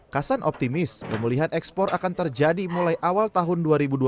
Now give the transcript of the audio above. kasan optimis pemulihan ekspor akan terjadi mulai awal tahun dua ribu dua puluh